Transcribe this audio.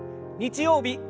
日曜日